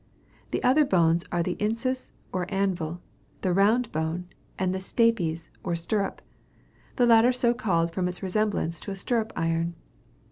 The other bones are the incus, or anvil, the round bone, and the stapes, or stirrup the latter so called from its resemblance to a stirrup iron.